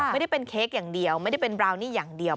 ไม่ได้เป็นเค้กอย่างเดียวไม่ได้เป็นบราวนี่อย่างเดียว